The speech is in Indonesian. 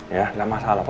ya gak masalah